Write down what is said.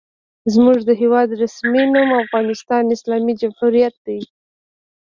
زموږ د هېواد رسمي نوم افغانستان اسلامي جمهوریت دی.